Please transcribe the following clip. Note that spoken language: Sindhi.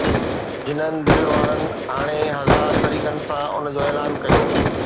جنن دل وارن هاڻي هزار طريقن سان ان جو اعلان ڪيو